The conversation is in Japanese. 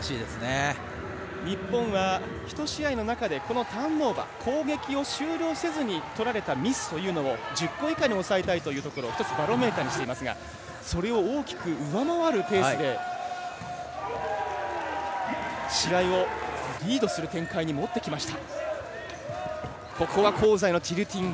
日本は１試合の中でターンオーバー、攻撃を終了しないでとられたミスを１０個以下に抑えたいというところを１つバロメーターにしていますがそれを大きく上回るペースで試合をリードする展開に持ってきました。